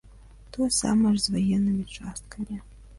Тое самае і з ваеннымі часткамі.